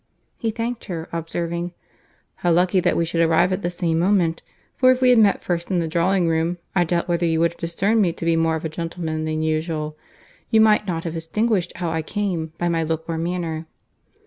He thanked her, observing, "How lucky that we should arrive at the same moment! for, if we had met first in the drawing room, I doubt whether you would have discerned me to be more of a gentleman than usual.—You might not have distinguished how I came, by my look or manner."